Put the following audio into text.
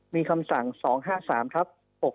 มีคำสั่ง๒๕๓ครับ